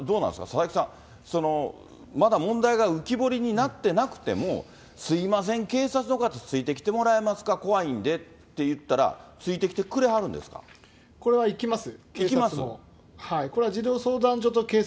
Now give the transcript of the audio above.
佐々木さん、まだ問題が浮き彫りになってなくても、すみません、警察の方、ついてきてもらえますか、怖いんでって言ったら、これは行きます。